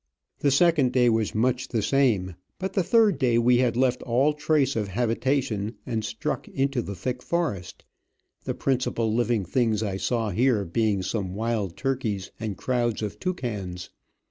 The second day was much the same, but the third day we had left all trace of habitation and struck into the thick forest, the principal living things I saw here being some wild turkeys and Crowds of toucans.